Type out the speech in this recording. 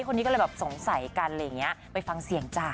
คนนี้ก็เลยสงสัยกันไปฟังเสียงจ้า